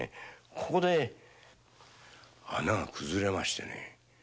ここで穴がくずれましてね。